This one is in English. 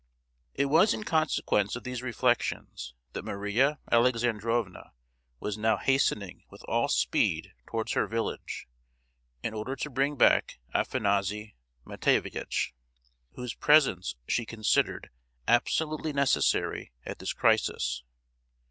It was in consequence of these reflections that Maria Alexandrovna was now hastening with all speed towards her village, in order to bring back Afanassy Matveyevitch, whose presence she considered absolutely necessary at this crisis.